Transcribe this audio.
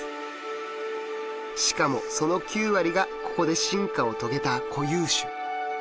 しかもその９割がここで進化を遂げた固有種。